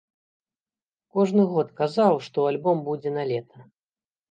Кожны год казаў, што альбом будзе налета.